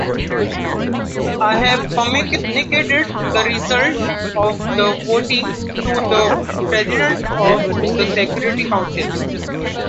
I have communicated the result of the voting to the President of the Security Council.